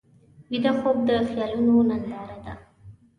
ویده خوب د خیالونو ننداره ده